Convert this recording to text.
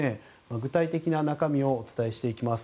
具体的な中身をお伝えします。